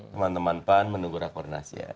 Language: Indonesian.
teman teman pan menegur akornasi ya